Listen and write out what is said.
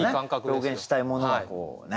表現したいものがこうね。